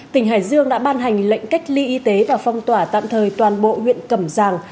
tỉnh hải dương đã ban hành lệnh cách ly y tế và phong tỏa tạm thời toàn bộ huyện cầm giang